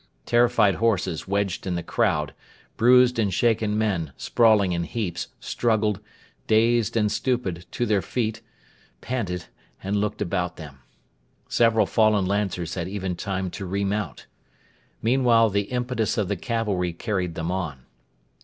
Terrified horses wedged in the crowd, bruised and shaken men, sprawling in heaps, struggled, dazed and stupid, to their feet, panted, and looked about them. Several fallen Lancers had even time to re mount. Meanwhile the impetus of the cavalry carried them on.